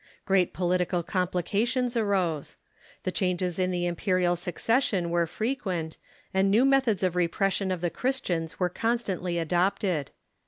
Great political complications arose. The changes in the imperial succession were frequent, and new methods of repression of the Christians were constantly adopted.